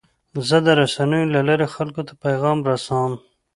زه د رسنیو له لارې خلکو ته پیغام رسوم.